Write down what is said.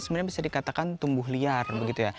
sebenarnya bisa dikatakan tumbuh liar begitu ya